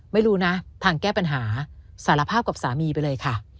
ไม่รู้นะทางแก้ปัญหาสารภาพกับสามีไปเลยค่ะ